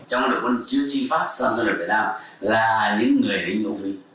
trong đội quân chứa chi pháp xa xưa ở việt nam là những người định đồng vị